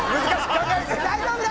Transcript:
大丈夫だ！